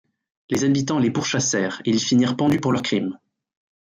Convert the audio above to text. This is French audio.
Les habitants les pourchassèrent et ils finirent pendus pour leurs crimes.